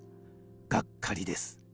がっかりです。